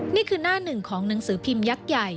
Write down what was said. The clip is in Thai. นี่คือหน้าหนึ่งของหนังสือพิมพ์ยักษ์ใหญ่